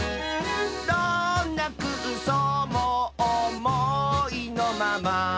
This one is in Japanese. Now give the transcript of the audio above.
「どんなくうそうもおもいのまま」